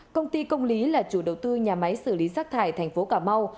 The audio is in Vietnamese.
công ty công lý là chủ đầu tư nhà máy xử lý rác thải thành phố cà mau